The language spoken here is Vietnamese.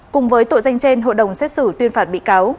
cùng với tội danh trên hội đồng xét xử tuyên phạt bị cáo